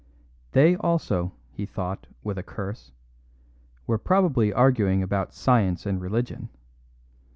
They also, he thought with a curse, were probably arguing about "science and religion."